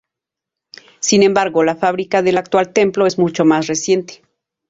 Sin embargo, la fábrica del actual templo es mucho más reciente.